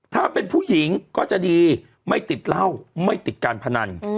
ถ้าเป็นผู้หญิงก็จะดีไม่ติดเหล้าไม่ติดการพนัน